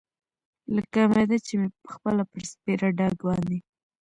لکه معده چې مې پخپله پر سپېره ډاګ باندې.